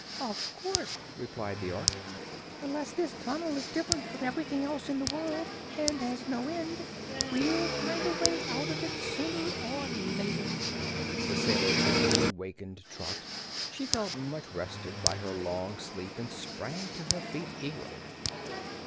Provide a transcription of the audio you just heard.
"Of course," replied the Ork. "Unless this tunnel is different from everything else in the world, and has no end, we'll find a way out of it sooner or later." The sailor gently wakened Trot. She felt much rested by her long sleep and sprang to her feet eagerly.